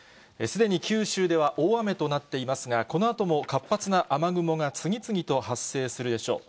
すでに九州では大雨となっていますが、このあとも活発な雨雲が次々と発生するでしょう。